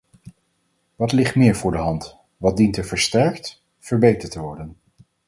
Wat ligt meer voor de hand, wat dient er versterkt, verbeterd te worden?